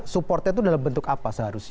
supportnya itu dalam bentuk apa seharusnya